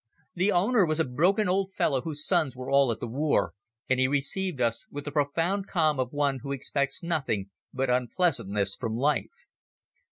The owner was a broken old fellow whose sons were all at the war, and he received us with the profound calm of one who expects nothing but unpleasantness from life.